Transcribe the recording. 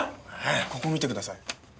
ここ見てください。